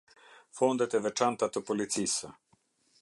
Fondet e veçanta të policisë.